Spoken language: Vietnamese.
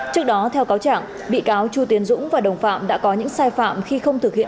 trước đó theo cáo trạng bị cáo chu tiến dũng và đồng phạm đã có những sai phạm khi không thực hiện